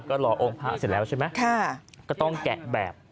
ก็รอองค์พระเสร็จแล้วใช่ไหมก็ต้องแกะแบบ